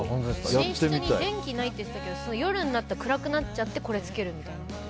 寝室に電気ないって言ってたけど夜になって暗くなっちゃってこれつけるみたいな？